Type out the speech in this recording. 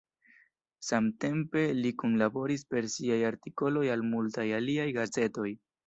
Samtempe li kunlaboris per siaj artikoloj al multaj aliaj gazetoj.